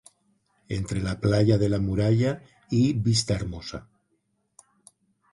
Entre la Playa de La Muralla y Vistahermosa.